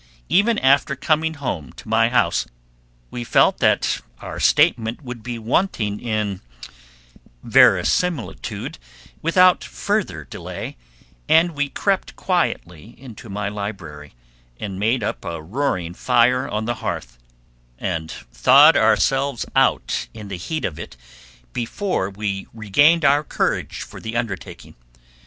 Even after coming home to my house, we felt that our statement would be wanting in verisimilitude without further delay, and we crept quietly into my library, and made up a roaring fire on the hearth, and thawed ourselves out in the heat of it before we regained our courage for the undertaking.